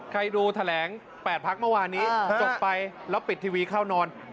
ใครดูแถลง๘พักเมื่อวานนี้จบไปแล้วปิดทีวีเข้านอน